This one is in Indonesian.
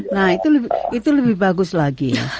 nah itu lebih bagus lagi